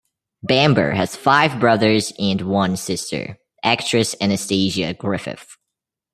Bamber has five brothers and one sister, actress Anastasia Griffith.